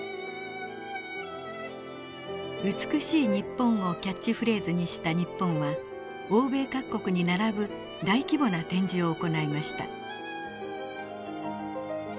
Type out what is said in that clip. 「美しい日本」をキャッチフレーズにした日本は欧米各国に並ぶ大規模な展示を行いました。